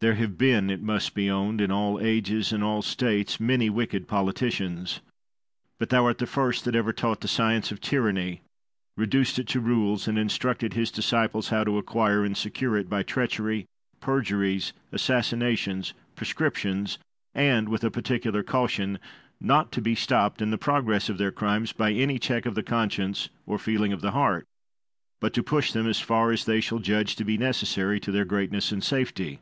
Guise. There have been, it must be owned, in all ages and all states, many wicked politicians; but thou art the first that ever taught the science of tyranny, reduced it to rules, and instructed his disciples how to acquire and secure it by treachery, perjuries, assassinations, proscriptions, and with a particular caution, not to be stopped in the progress of their crimes by any check of the conscience or feeling of the heart, but to push them as far as they shall judge to be necessary to their greatness and safety.